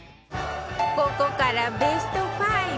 ここからベスト５